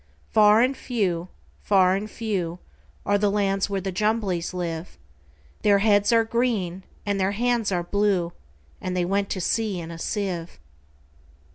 Far and few, far and few, Are the lands where the Jumblies live:Their heads are green, and their hands are blue; And they went to sea in a sieve.